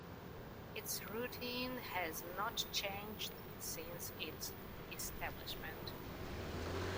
Its routing has not changed since its establishment.